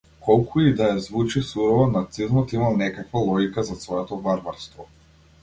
Колку и да е звучи сурово, нацизмот имал некаква логика зад своето варварство.